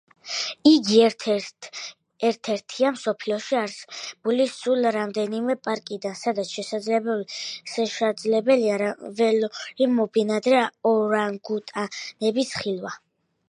იგი ერთ–ერთია მსოფლიოში არსებული სულ რამდენიმე პარკიდან, სადაც შესაძლებელია ველურად მობინადრე ორანგუტანების ხილვა.